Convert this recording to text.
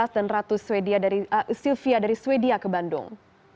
dan ratu sylvia dari swedia ke bandung